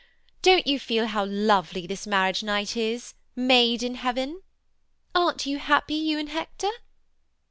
Don't you feel how lovely this marriage night is, made in heaven? Aren't you happy, you and Hector?